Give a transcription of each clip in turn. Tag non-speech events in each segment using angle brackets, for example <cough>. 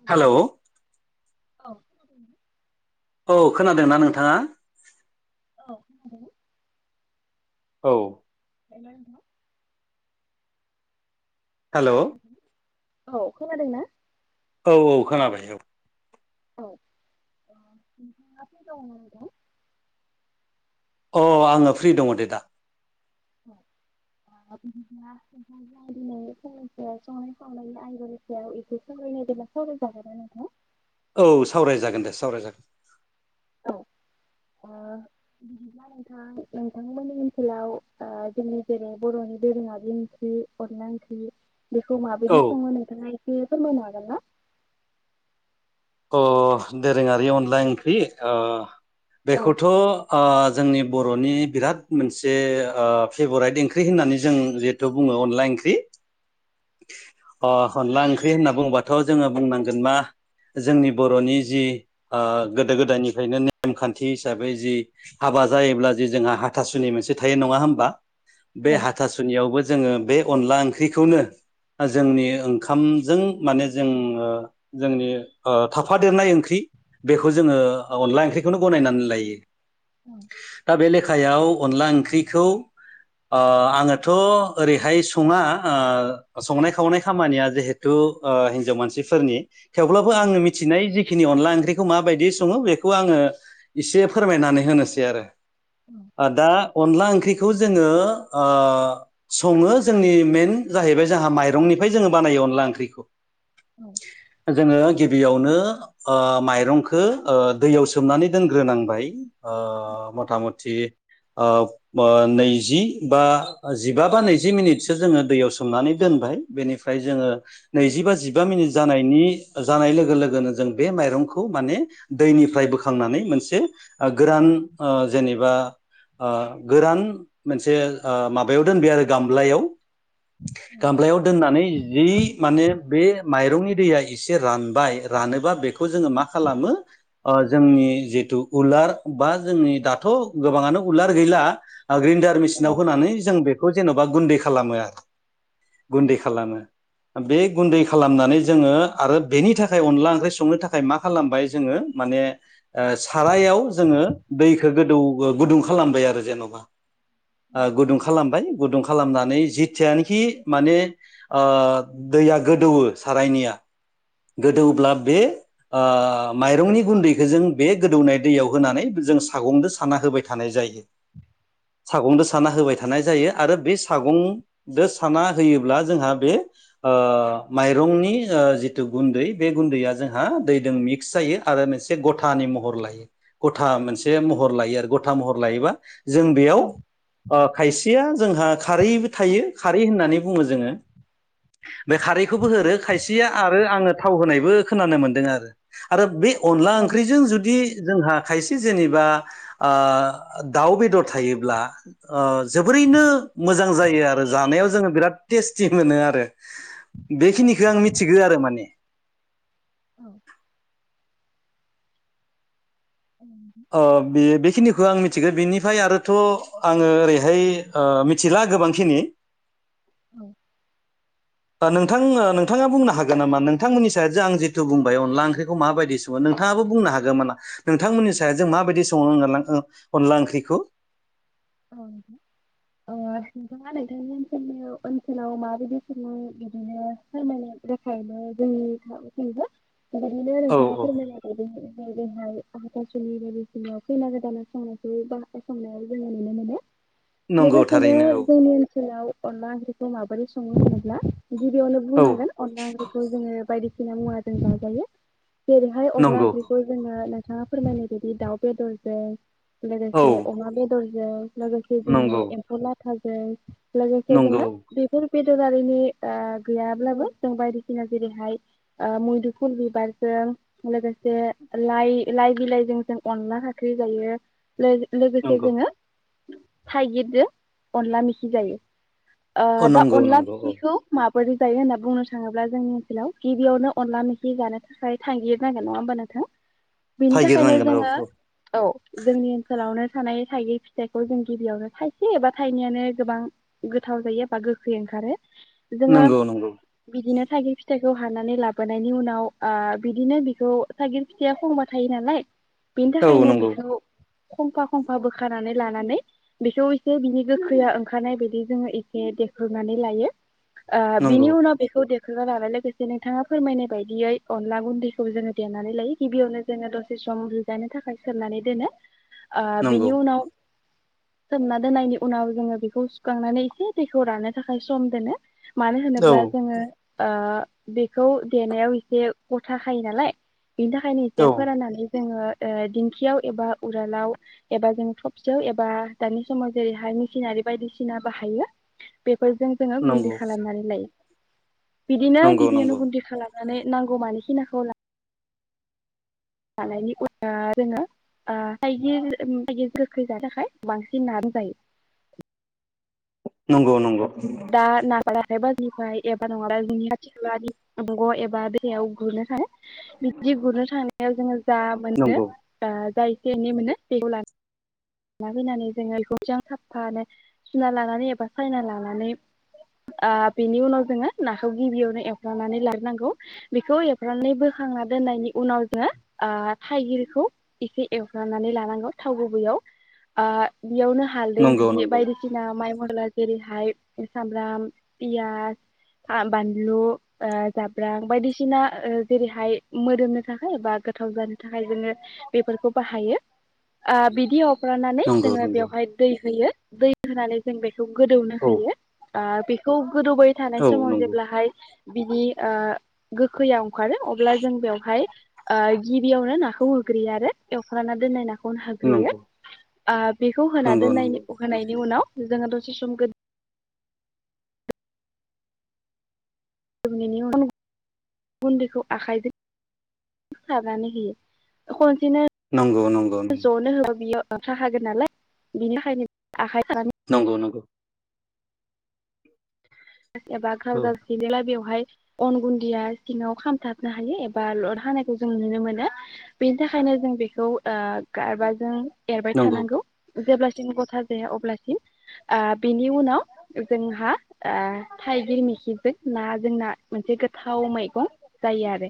खोनादोंना? हेल' औ औ खोनादोंना नोंथाङा औ खोनादों औ <unintelligible> <unintelligible> हेल' औ खोनादोंना औ औ खोनाबाय औ औ नोंथाङा ओ फ्रि दङमोन दा अह आङो फ्रि दङ दे दा <unintelligible> <unintelligible> बिदिब्ला नोंथांजों आं दिनै संनाय खावनायनि आयदानि सायाव एसे सावरायनो दे बिदिब्ला सावरायजागोनना नोंथां? औ सावरायजागोन दे सावरायजागोन औ ओ बिदिब्ला नोंथां नोंथांमोननि ओनसोलाव ओ जोंनि जेरै बर' <unintelligible> <unintelligible> अनला ओंख्रि बेखौ औ माबायदि सङो नोंथाङा एसे फोरमायनो हागोन ना? अ दोरोङारि अनला ओंख्रि औ बेखौथ' जोंनि बर'नि बिराद मोनसे फेभराइट ओंख्रि होननानै जों जिहेथु बुङो अनला ओंख्रि <inaudible> <unintelligible> अ अनला ओंख्रि होनना बुंबाथ' जोङो बुंनांगोन मा जोंनि बर'नि जि ओ गोदो गोदायनिफ्रायनो नेमखान्थि हिसाबै जि हाबा बा जायोब्ला जे जोंहा हाथासुनि मोनसे थायो नङा होमबा? बे औ हाथासुनियावबो जोङो बे अनला ओंख्रिखौनो जोंनि ओंखामजों माने जोंओ जोंनि ओ थाफादेरनाय ओंख्रि बेखौ जोङो अनला ओंख्रिखौनो गनायनानै लायो औ दा बे लेखा हखायाव अनला ओंख्रिखौ ओ आङोथ' ओरैहाय सङा संनाय खावनाय खामानिया जिहेथु हिनजाव मानसिफोरनि थेवब्लाबो औ आङो मिथिनाय जि बेखिनि अनला ओंख्रिखौ माबायदि सङो बेखौ आङो एसे फोरमायनानै होनोसै आरो औ ओ दा अनला ओंख्रिखौ जोङो ओ सङो जोंनि मेन जाहैबाय जोंहा माइरंनिफ्राय जोङो बानायो अनला ओंख्रिखौ औ जोङो गिबियावनो ओ माइरंखौ ओ दैयाव सोमनानै दोनग्रोनांबाय ओ मथा मथि ओ नैजि बा जिबा बा नैजि मिनिटसो जोङो दैयाव सोमनानै दोनबाय बेनिफ्राय जोङो नैजि बा जिबा मिनिट जानायनि जानाय लोगो लोगोनो जों बे माइरंखौ माने दैनिफ्राय बोखांनानै मोनसे गोरान ओ जेनेबा ओ गोरान मोनसे ओ माबायाव दोनबाय आरो गामलायाव गामलायाव दोननानै जि माने बे माइरंनि दैया एसे रानबाय रानोबा बेखौ जोङो मा खालामो जोंनि जि जिथु उलार बा जोंनि दाथ' गोबाङानो उलार गैला ग्र्रिन्न्दार मेसिनाव होनानै जों बेखौ जेन'बा गुन्दै खालामो आरो औ गुन्दै खालामो बे गुन्दै खालामनानै जोङो आरो बेनि थाखाय अनला ओंख्रि संनो थाखाय मा खालामबाय जोङो माने ओ सारायाव जोङो दैखौ गोदौ गुदुं खालामबाय आरो जेन'बा ओ गुदुं खालामबाय गुदुं खालामनानै जिथिया बाखि माने ओ दैया गोदौवो सारायनिया गोदौब्ला बे माइरंनि गुन्दैखौ जों बे गोदौनाय दैयाव होनानै जों सागंद साना होबाय थानाय जायो। सागंदो साना होबाय थानाय जायो आरो बे सागं साना होयोब्ला जोंहा बे माइरंनि जिथु गुन्दै बे गुन्दैया गुन‌दया जोंहा दैजों मिक्स जायो आरो मोनसे गथानि महर लायो गथा मोनसे महर लायो आरो गथा महर लायोबा जों बेयाव औ खायसेया जोंहा खारैबो थायो खारै होननानै बुङो जोङो बे खारैखौबो हो खायसेया आरो आङो थाव होनायबो खोनानो मोनदों आरो आरो बे अनला औ ओंख्रिजों जुदि आं जोंहा खायसे जेनेबा ओ दाउ बेदर थायोब्ला ओ जोबोरै यैनो मोजां जायो आरो जानायाव जोङो बिराद टेस्टि मोनो आरो औ बेखिनिखो आं मिथिगो आरो माने औ नोंथां। अ बेयो बेखिनि खौ आं मिथिगो बिनिफाय आरोथ आङो ओरैहाय अ मिथिला गोबांखिनि औ नोंथां ओ नोंथाङा बुंनो हागोन नामा नोंथांमोननि सायावदि आं जिथु बुंबाय अनला ओंख्रिखौ माबायदि सङो नों नोंथाङाबो बुंनो हागोमोनना नोंथांमोननि सायदजों माबायदि सङो ओनलां ओ अनला ओंख्रिखौ औ नोंथां ओ नोंथाङा नोंथांनि ओनसोलनि औ ओनसोलाव माबेदि सङो बिदिनो फोरमायनो बेखायनो जोंनिथिंबो बेबायदिनो नोंथाङा फोरमायनाय बायदिनो जायो। बेहाय आाथासुनि बायदिसिना खैना गोदाना संनायखौ बा संनायाव जोङो नुनो मोनो नंगौ लोगोसेनो थारैनो औ जोंनि ओनसोलाव अनला ओंख्रिखौ माबोरै संगो होनोब्ला गिबियावनो औ बुंनांगोन अनला ओंख्रिखौ जोङो बायदिसिना मुवाजों जाजायो जेरैहाय अनला नंगौ ओंख्रिखौ जोङो नोंथाङा फोरमायनाय बायदि दाउ बेदरजों औ लोगोसे अमा बेदरजों लोगोसे जोङो नंगौ एम्फौ लाथाजों लोगोसे नंगौ जोङो बिफोर बि दरारिनि ओ गैयाब्लाबो जों बायदिसिना जेरैहाय ओ मैदुफुल बिबारजों लोगोसे लाइ लाइ बिलाइजों जों अनला हाख्रि जायो लोग लोगोसे जोङो थाइगिरजों अनला मेखि जायो ओ अ दा नंगौ अनला नंगौ औ मेखिखौ मा बोरै जायो होनना बुंनो थाङोब्ला जोंनि ओनसोलाव गिबियावनो अनला मेखि जानो थाखाय थांगिर नांगोन नङा होमब नोंथा बिनि थाखायनो नागिरनांगोन औ जोङो औ औ जोंनि ओनसोलावनो थानाय थागिर फि फिथायखौ जों गिबियावनो थाइसे बा थाइनैयानो गोबां गोथाव जायो बा गोखै ओंखारो जोङो नंगौ नंगौ बिदिनो थागिर फिथाइखौ हानानै लाबोनायनि उनाव ओ बिदिनो बेखौ थाइगिर फिथाया खंबा थायो नालाय बिनि औ थाखायनो नंगौ बेखौ खंफा खंफा बोखार नानै लानानै बेखौ एसे बिनि गोखैआ ओंखारनाय बायदि जोङो एसे देख्रुबनानै लायो ओ बिनि नंगौ उनाव बेखौ दे खो होनानै लोगोसे नोंथाङा फोरमायनाय बायदियै अनला गुन्दैखौ जोङो देनानै लायो। गिबियावनो जोङो दसे सम रुजानो थाखाय सोमनानै दोनो। आ नंगौ बिनि उनाव सोमना दोननायनि उनाव जोङो बेखौ सुखांनानै एसे दैखौ राननो थाखाय सम दोनो। मानो औ होनोब्ला जोङो ओ बेखौ देनायाव एसे गथा खायो नालाय। बिनि थाखायनो एसे औ फोराननानै जोङो ओ दिंखियाव एबा उरालाव एबा जों थ' सियाव एबा दानि समाव जेरैहाय मिसिनारि बायदिसिना बाहायो। बे फोरजों जोङो गुन्दि नंगौ खालामनानै लायो। बिदिनो नंगौ गिबियावनो नंगौ गुन्दि खालानानै नांगौ मानि खिनाखौ ला लानायनि उ <inaudible> जोङो ओ थाइगिर थाइगिर गोखै जानो थाखाय बांसिन नाजों जायो। नंगौ नंग'। दा ना <unintelligible> हाथाइ बाज <inaudible> निफ्राय एबा नङाब्ला जोंनि खाथि खालानि दंग एबा दैयाव गुरनो थाङो। बिब्दि गुरनो थांनायाव जोङो जा मोनो नंगौ ओ जाय से एनै मोनो बेखौ ला लाबोनानै जोङो बेखौ मोजां साबफानो सुना लानानै एबा सायना लानानै आ बेनि उनाव जोङो नाखौ गिबियावनो एफ्रामनानै लाग्रोनांगौ। बेखौ एवफ्रामनानै बोखां खांना दोननायनि उनाव जोङो ओ थाइगिरखौ एसे एवफ्रामनानै लानांगौ थाव गुबैयाव। आ बियावनो हालदै नंगौ बिदि नंगौ बायदिसिना माइ मला जेरैहाय सामब्राम, पियास, आ बानलु, ओ जाब्रां बायदिसिना ओ जेरैहाय मोदोमनो थाखै बा गोथाव जानो थाखाय जोङो बेफोरखौ बाहायो। आ बि हरानानै नंगौ नंगौ जोङो बेवहाय दै होयो। दै होनानै जों बेखौ गोदौनो औ होयो। आ बेखौ गोदौबाय थानाय औ समाव नंगौ जेब्लाहाय बिनि ओ गोखैयाव अंखारो अब्ला जों बेवहाय गिबियावनो नाखौ होग्रोयो आरो एवफ्रामना दोननाय नाखौ होग्रोयो। नंगौ आ बेखौ होना नंगौ नंगौ दोननायनि अखानायै नि उनाव जोङो दसे सम गो <unintelligible> उनाव गुन्दैखौ आखाइजों सारनानै होयो। खनसेनो नंगौ नंगौ जनो होबा बियो लाथा खागोन नालाय। बिनि थाखायनो आखाइ सानानै नंगौ नंगौ। एबा औ ख्राउजार सिनदेला बेवहाय अन गुन्दिया सिङाव खामथाबनो हायो एबा लद हानायखौ जों नुनो मोनो। बेनि थाखायनो जों बेखौ ओ गारबा जों एरबाय नंगौ थानांगौ। जेब्लासिम गथा जाया अब्लासिम। आ बिनि उनाव जोंहा थाइगिर मैखिजों नाजोंना मोनसे गोथाव मैगं जायो आरो।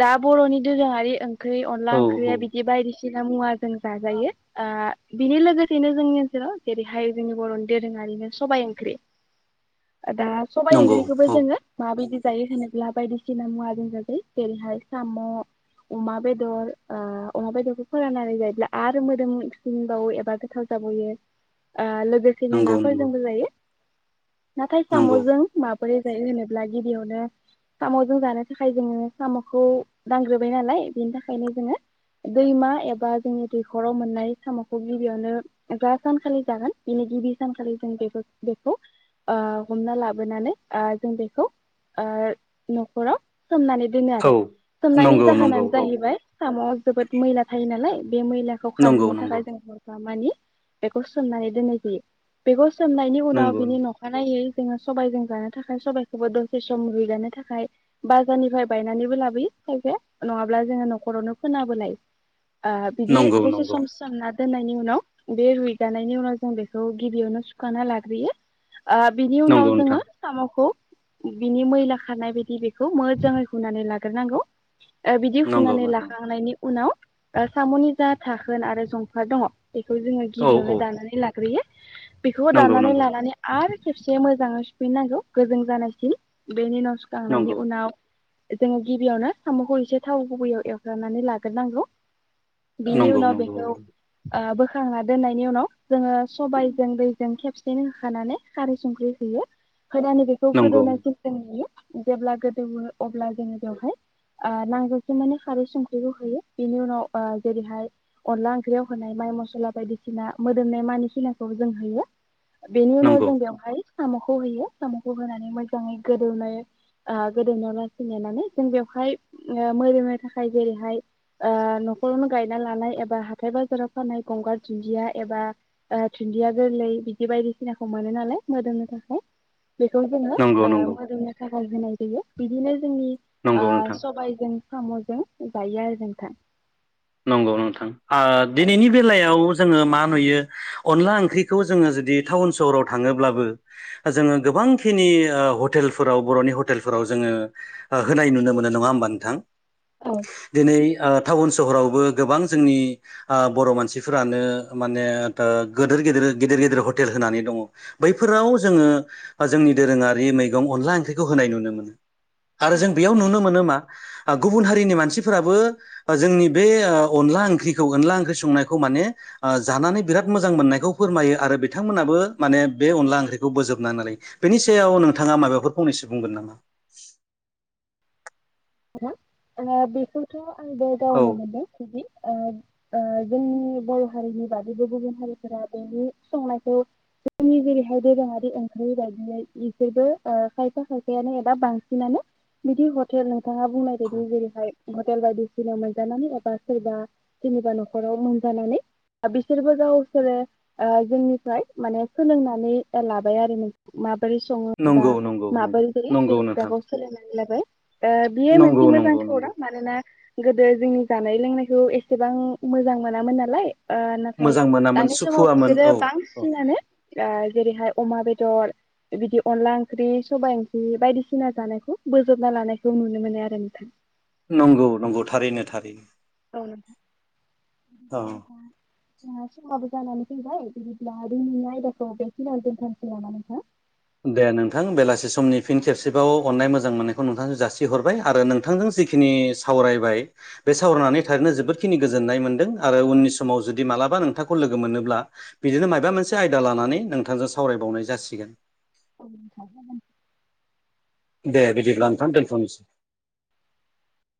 दा बर'नि दोरोङारि ओंख्रि अनला औ औ ओंख्रिया बिदि बायदिसि सिना मुवाजों जाजायो। आ बिनि लोगोसेनो जोंनि गेजेराव जेरैहाय जोंनि बर'नि दोरों आरिनो सबाइ ओंख्रि। दा सबाइ नंगौ ओंख्रिखोबो औ जोङो माबायदि जायो होनोब्ला बायदिसिना मुवाजों जाजायो। देरहाय साम' अमा बेदर, ओ मा बेदरखौ फोराननानै जायोब्ला आरो मोदोम सिनबावो एबा गोथाव जा जाबुयो। आ लोगोसेनो नंगौ नंगौ नाफोरजोंबो जायो। नाथाय नंगौ साम'जों माबोरै जायो होनोब्ला गिबियावनो साम'जों जानो थाखाय जोङो साम'खौ दांग्रोबाय नालाय, बेनि थाखायनो जोङो दैमा एबा जोंनि दैख'राव मोननाय साम'खौ गिबियावनो जा सानखालि जागोन, बेनि गिबि सानखालि जों बेबो बेखौ ओ हमना लाबोनानै ओ जों बेखौ ओ न'खराव सोमनानै दोनो आरो। औ सोमनायनि नंगौ नंगौ जाहोनानो औ जाहैबाय साम'वाव जोबोद मैला थायो नालाय। बे मैलाखौ नंगौ खारहोनो थाखाय नंगौ जों हरफामानि बेखौ सोमनानै दोननाय जायो। बेखौ सोमनायनि उनाव बिनि <unintelligible> <unintelligible> सबायजों जानो थाखाय सबायखौबो दसे सम रुइगानो थाखाय बाजारनिफ्राय बायनानैबो ला लाबोयो खायफाडडया नङाब्ला जोङो न'खरावनो फोनाबोनाय ओ नंगौ बिदि दसे नंगौ सम सोमनना दोननायनि उनाव बे रुइगानायनि उनाव जों बेखौ गिबियावनो सुखाना लाग्रोयो। ओ बिनि नंगौ उनाव जोङो नोंथां साम'खौ बिनि मैला खारनाय बायदि बेखौ मोजाङै हुनानै लाग्रोनांगौ। ओ बिदि नंगौ हुनानै नोंथां लाखांनायनि उनाव ओ साम'नि जा थाखोन आरो जंफार दङ बेखौ जोङो औ औ गिबियावनो दाननानै लाग्रोयो बेखौ नंगौ दाननानै नंगौ लानानै आरो खेबसे मोजाङै सुफिननांगौ गोजों जानायसिन बेनि उनाव सुखांनायनि नंगौ उनाव जोङो गिबियावनो साम'खौ एसे थाव गुबैयाव एवग्रोनानै लाग्रोनांगौ। बिनि नंगौ उनाव नंगौ बेखौ ओ बोखांना दोननायनि उनाव जोङो सबायजों दैजों खेबसेनो होखानानै खारै संख्रि होयो गोदानै बेखौ नंगौ नंगौ गोदौनायसिम जों नुयो जेब्ला गोदौ अब्ला जोङो बेवहाय ओ नांजासे माने खारै संख्रिखौ होयो बेनि उनाव ओ जेरैहाय अनला ओंख्रियाव होनाय होनाय मसला बायदिसिना मोदोमनाय मानिखिनाखौ जों होयो बेनि उनाव नंगौ जों बेवहाय साम'खौ होयो साम'खौ होनानै मोजाङै गोदौनो ओ गोदौ <unintelligible> जों बेवहाय मोदोमनय थाखाय जेरैहाय ओ न'खरावनो गायना लानाय एबा हाथाय बाजाराव फाननाय गंगार दुन्दिया एबा दुदिया गोरलै बिदि बायदिसिना खौ मोनो नालाय मोदोमनो थाखाय बेखौ जोङो नंगौ ओ नंगौ मोदोमनो थाखाय होनाय जायो बिदिनो नंगौ जोंनिओ नोंथां सबायजों साम'जों जायो आरो जों हा नंगौ नोंथां ओ दिनैनि बेलायाव जोङो मा नुयो अनला ओंख्रिखौ जोङो जुदि टाउन सहराव थाङोब्लाबो जोङो गोबांखिनि हटेलफोराव बर'नि हटेलफोराव जोङो होनाय नुनो मोननाय नङा होमबा नोंथां? औ दिनै ओ टाउन सहरावबो गोबां जोंनि ओ बर' मानसिफोरानो माने दा गेदिर हटेल होनानै दङ बैफोराव जोङो जोंनि दोरोङारि मैगं अनला ओंख्रिखौ होनाय नुयो आरो औ जों बेयाव नुनो मोनो मा गुबुन हारिनि मानसिफोराबो जोंनि बे अनला ओंख्रिखौ अनला ओंख्रि संनायखौ माने ओ जानानै बिराद मोजां मोननायखौ फोरमायो आरो बिथांमोनहाबो माने बे अनला ओंख्रिखौ बोजोबना लायो। बेनि सायाव नोंथाङा माबाफोर फंनैसो बुंगोन नामा? <inaudible> <inaudible> आरो बेखौथ' आंबो औ गावनो मोनदों खुजि ओ ओ जोंनि बर' हारिनि बादैबो गुबुन हारिफोरा बेनि संनायखौ जोंनि जेरैहाय दोरोङारि ओंख्रि बायदियै बिसोरबो खायफा खायफायानो एबा बांसिनानो बिदि हटेल नोंथाङा बुंनाय बायदि जेरैहाय हटेल बायदिसिनाव मोनजानानै एबा सोरबा सोरनिबा न'खराव मोनजानानै बिसोरबो गावसोरो ओ जोंनिफ्राय माने सोलोंनानै लाबाय आरो नों मा बोरै सङो बा नंगौ नंगौ नंगौ माबोरै बोरै नंगौ जोंनि नोंथां हुदाखौ सोलोंनानै लाबाय। ओ बेयो नंगौ मोनसे मोजां नंगौ नंगौ खौरां मानोना गो जोंनि जानाय लोंनायखौ एसेबां मोजां मोनामोन नालाय ओ नाथाय मोजां मोनामोन दानि समाव सुखुवामोन बिसोरो औ औ बांसिनानो ओ जेरैहाय अमा बेदर बिबादि अनला ओंख्रि सबाइ ओंख्रि बायदिसिना जानायखौ बोजोबना लानाय जों नुनो मानो आरो नोंथां। नंगौ नंगौ थारैनो थारैनो। औ <unintelligible> औ जानानै फैबाय बिदिब्ला दिनैनि आयदाखौ बेखिनियावनो दोनथ'नोसै नामा नोंथां? दे नोंथां बेलासि समनि फिन खेबसेबाव अननाय मोजां मोननायखौ नोंथांनो जासिहरबाय आरो नोंथांजों जिखिनि सावरायबाय बे सावरायनानै थारैनो जोबोदखिनि गोजोननाय मोनदों आरो उननि समाव जुदि मा माबालाबा नोंथांखौ लोगो मोनोब्ला बिदिनो माबा मोनसे आयदा लानानै नोंथांजों सावरायबावनाय जासिगोन। <inaudible> दे बिदिब्ला नोंथां दोनथ'नोसै।